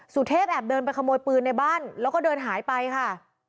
สุเทพแอบเดินไปขโมยปืนในบ้านแล้วก็เดินหายไปค่ะ